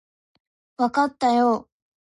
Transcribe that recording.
わかったよ